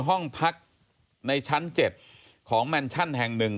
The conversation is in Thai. ห้องพักในชั้น๗ของแมนชั่นแห่ง๑